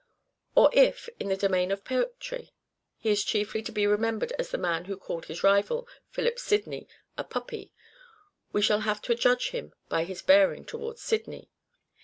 Or if, in the domain of poetry, he is chiefly to be re membered as the man who called his rival, Philip Sidney, a " puppy," we shall have to judge him by his bearing towards Sidney.